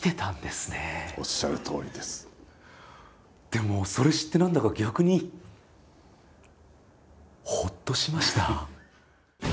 でもそれ知って何だか逆にほっとしました。